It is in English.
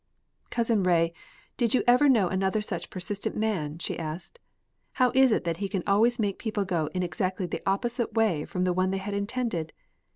"Cousin Ray, did you ever know another such persistent man?" she asked. "How is it that he can always make people go in exactly the opposite way from the one they had intended?